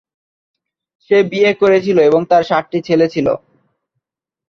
সে বিয়ে করেছিল এবং তার সাতটি ছেলে ছিল।